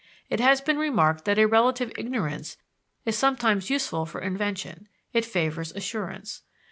It has been remarked that a relative ignorance is sometimes useful for invention: it favors assurance.